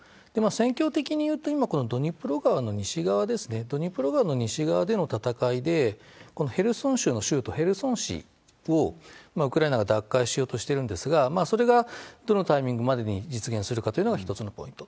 戦況的に言うと、今、このドニプロ川の西側ですね、ドニプロ川の西側での戦いで、このヘルソン州の州都ヘルソン市をウクライナが奪回しようとしているんですが、それがどのタイミングまでに実現するかというのが一つのポイント。